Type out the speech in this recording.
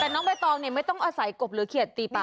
แต่น้องใบตองเนี่ยไม่ต้องอาศัยกบหรือเขียดตีปลา